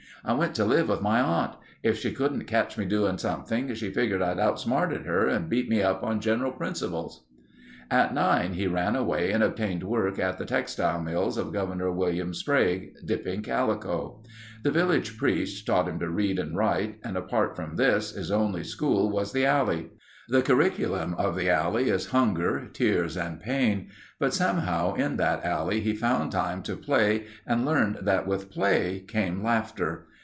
"... I went to live with my aunt. If she couldn't catch me doing something, she figured I'd outsmarted her and beat me up on general principles." At nine he ran away and obtained work in the textile mills of Governor William Sprague, dipping calico. The village priest taught him to read and write and apart from this, his only school was the alley. The curriculum of the alley is hunger, tears, and pain but somehow in that alley he found time to play and learned that with play came laughter.